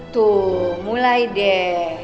tuh mulai deh